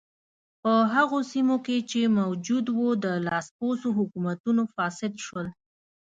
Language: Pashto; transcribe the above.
په هغو سیمو کې چې موجود و د لاسپوڅو حکومتونو فاسد شول.